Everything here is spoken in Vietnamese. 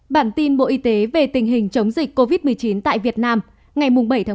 bản tin bộ y tế về tình hình chống dịch covid một mươi chín tại việt nam ngày bảy một hai nghìn hai mươi hai